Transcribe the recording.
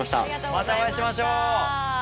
またお会いしましょう！